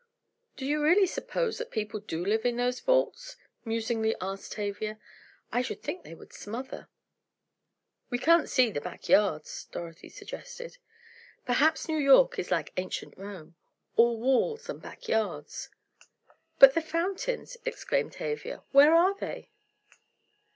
"Do you really suppose that people do live in those vaults?" musingly asked Tavia. "I should think they would smother." "We can't see the back yards," Dorothy suggested. "Perhaps New York is like ancient Rome—all walls and back yards." "But the fountains," exclaimed Tavia, "where are they?"